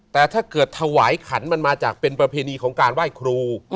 แต่ถ้าเกิดถวายขันมันมาจากเป็นประเพณีของการไหว้ครู